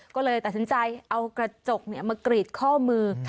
ก็เลยตัดสินใจเอากระจกมากรีดข้อมือ